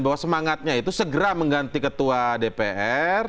bahwa semangatnya itu segera mengganti ketua dpr